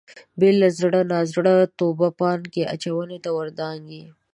بې له زړه نازړه توبه پانګې اچونې ته ور دانګي.